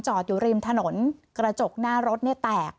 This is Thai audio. อยู่ริมถนนกระจกหน้ารถเนี่ยแตก